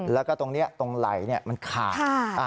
แล้วก็ตรงนี้ตรงไหล่มันขาด